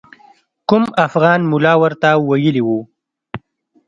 کوم افغان ملا ورته ویلي وو.